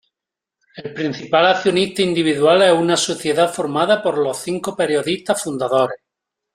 El principal accionista individual es una sociedad formada por los cinco periodistas fundadores.